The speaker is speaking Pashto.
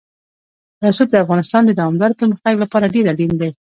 رسوب د افغانستان د دوامداره پرمختګ لپاره ډېر اړین دي.